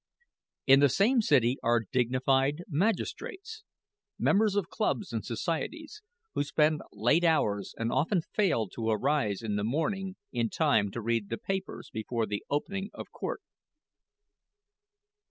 In the same city are dignified magistrates members of clubs and societies who spend late hours, and often fail to arise in the morning in time to read the papers before the opening of court.